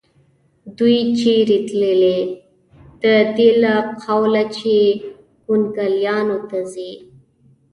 دوی چېرې تلې؟ د دې له قوله چې کونګلیانو ته ځي.